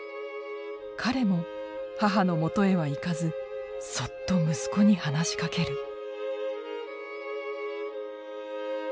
彼も母の元へは行かずそっと息子に話しかける。